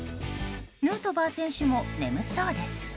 ヌートバー選手も眠そうです。